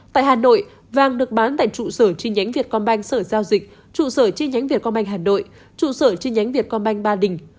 tại hà nội vàng được bán tại trụ sở chi nhánh vietcombank sở giao dịch trụ sở chi nhánh vietcombank hà nội trụ sở chi nhánh vietcombank ba đình